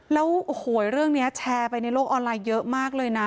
แล้วโอ้โหเรื่องนี้แชร์ไปในโลกออนไลน์เยอะมากเลยนะ